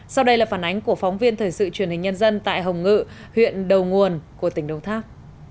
sau đây là phản ánh của phóng viên thời sự truyền hình nhân dân tại hồng ngự huyện đầu nguồn của tỉnh đồng tháp